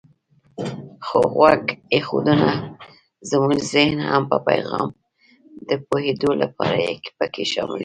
خو غوږ ایښودنه زمونږ زهن هم په پیغام د پوهېدو لپاره پکې شاملوي.